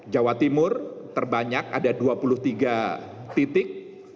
jawa timur terbanyak ada dua puluh tiga titik